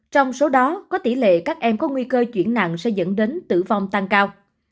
trong số đó có tỷ lệ các em có nguy cơ chuyển nặng sẽ dẫn đến tử vong tăng cao